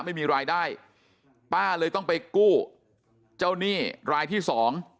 ไม่มีรายได้ป้าเลยต้องไปกู้เจ้าหนี้รายที่สอง